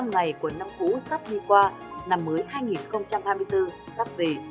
ba trăm sáu mươi năm ngày của năm cũ sắp đi qua năm mới hai nghìn hai mươi bốn sắp về